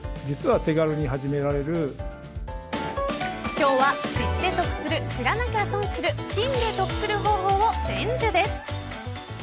今日は、知って得する知らなきゃ損する金で得する方法を伝授です。